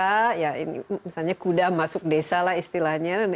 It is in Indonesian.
misalnya kuda masuk desa lah istilahnya